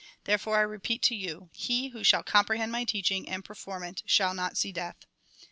Therefore I repeat to you : he who shall comprehend my teaching and perform it, shall not see death."